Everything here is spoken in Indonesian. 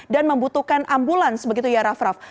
dan membutuhkan ambulans begitu ya raff raff